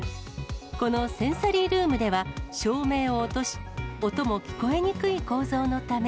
このセンサリールームでは、証明を落とし、音も聞こえにくい構造のため。